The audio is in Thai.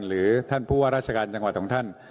หรือท่านผู้ว่าราชการจังหวัดของท่าน